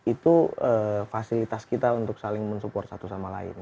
itu fasilitas kita untuk saling mensupport satu sama lain